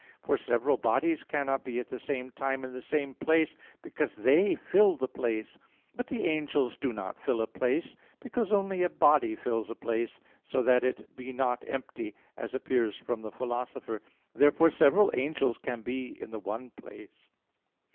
For several bodies cannot be at the same time in the same place, because they fill the place. But the angels do not fill a place, because only a body fills a place, so that it be not empty, as appears from the Philosopher (Phys. iv, text 52,58). Therefore several angels can be in the one place.